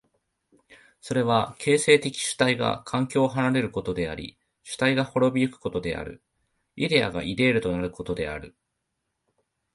それは形成的主体が環境を離れることであり主体が亡び行くことである、イデヤがイデールとなることである。